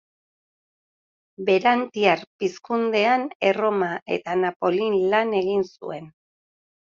Berantiar Pizkundean Erroma eta Napolin lan egin zuen.